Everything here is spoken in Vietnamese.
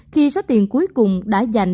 khi số tiền cuối cùng đã dành